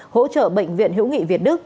hỗ trợ bệnh viện hữu nghị việt đức